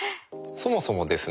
そもそもですね